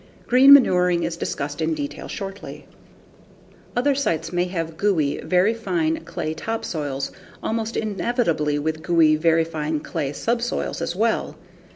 Green manuring is discussed in detail shortly. Other sites may have gooey, very fine clay topsoils, almost inevitably with gooey, very fine clay subsoils as well.